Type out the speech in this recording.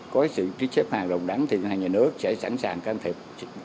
có sự trích xếp hàng đồng đắn thì ngân hàng nhà nước sẽ sẵn sàng can thiệp